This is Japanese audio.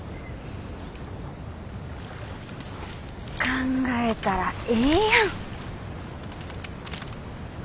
考えたらええやん。